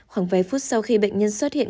khoảng vài phút sau khi bệnh nhân xuất hiện